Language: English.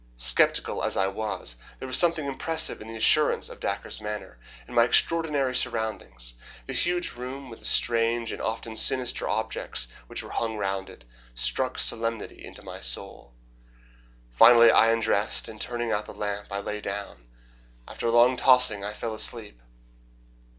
Sceptical as I was, there was something impressive in the assurance of Dacre's manner, and my extraordinary surroundings, the huge room with the strange and often sinister objects which were hung round it, struck solemnity into my soul. Finally I undressed, and turning out the lamp, I lay down. After long tossing I fell asleep.